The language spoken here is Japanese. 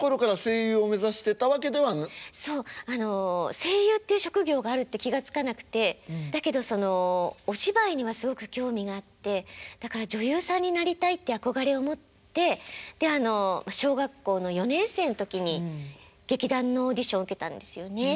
声優っていう職業があるって気が付かなくてだけどそのお芝居にはすごく興味があってだから女優さんになりたいって憧れを持ってであの小学校の４年生の時に劇団のオーディション受けたんですよね。